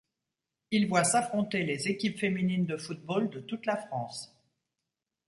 Il voit s'affronter les équipes féminines de football de toute la France.